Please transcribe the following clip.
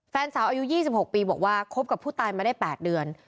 แฟนสาวอายุ๒๖ปีบอกว่าคบกับผู้ตายมาได้๘เดือน